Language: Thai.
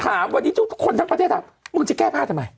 ถามวันนี้ทุกคนทั้งประเทศถามมึงจะแก้ผ้าทำไม